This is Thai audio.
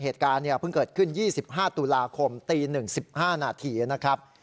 เหตุการณ์เพิ่งเกิดขึ้น๒๕ตุลาคมตี๑๑๕นาทีนะครับ